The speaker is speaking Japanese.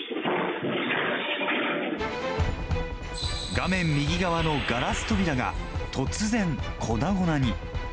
画面右側のガラス扉が突然、粉々に。